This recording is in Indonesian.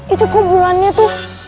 itu kok bulannya tuh